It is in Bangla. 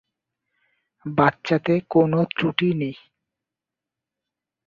বাচ্চাতে কোনো ক্রুটি নেই।